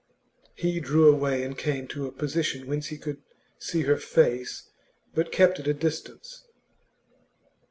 He drew away, and came to a position whence he could see her face, but kept at a distance.